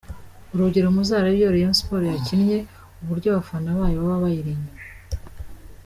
Urugero muzarebe iyo Rayon Sports yakinnye uburyo abafana bayo baba bayiri inyuma.